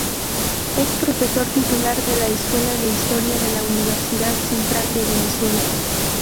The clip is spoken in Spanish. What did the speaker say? Es Profesor Titular de la Escuela de Historia de la Universidad Central de Venezuela.